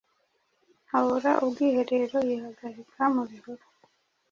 Abura ubwiherero yihagari mubihuru